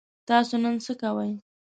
تاسو نن څه کوئ؟